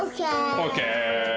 ＯＫ！